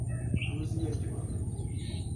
روزی یکبار